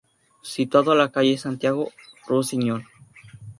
Situado a la calle Santiago Rusiñol.